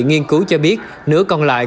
nghiên cứu cho biết nửa còn lại